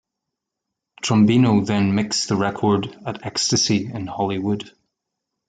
Trombino then mixed the record at Extasy in Hollywood.